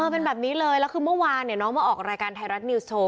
เป็นแบบนี้เลยแล้วคือเมื่อวานน้องมาออกรายการไทยรัฐนิวสโว